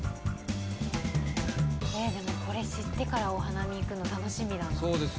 でもこれ知ってからお花見行くの楽しみだな。